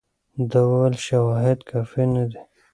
ده وویل شواهد کافي نه دي.